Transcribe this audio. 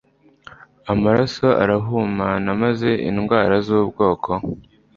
Amaraso arahumana, maze indwara z’ubwoko